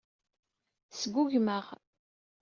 Tesgugem-aɣ.